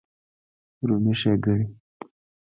رومي ښېګڼې